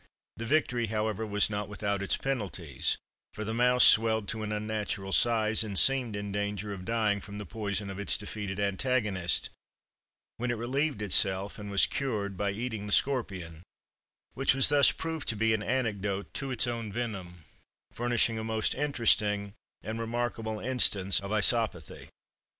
The victory, however, was not without its penalties, for the mouse swelled to an unnatural size, and seemed in danger of dying from the poison of its defeated antagonist, when it relieved itself and was cured by eating the scorpion, which was thus proved to be an antidote to its own venom; furnishing a most interesting and remarkable instance of isopathy.